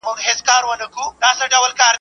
تاريخي خواړه د شپې پخېدل.